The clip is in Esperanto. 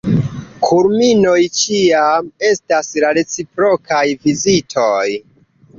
Kulminoj ĉiam estas la reciprokaj vizitoj.